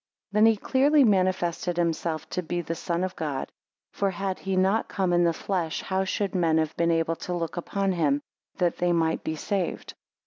13 Then he clearly manifested himself to be the Son of God. For had he not come in the flesh, how should men have been able to look upon him, that they might be saved?